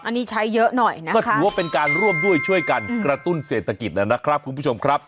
อันนี้ใช้เยอะหน่อยนะก็ถือว่าเป็นการร่วมด้วยช่วยกันกระตุ้นเศรษฐกิจนะครับคุณผู้ชมครับ